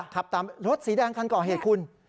ขับตามรถสีแดงคันก่อเหตุคุณ